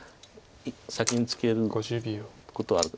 先にツケることはある。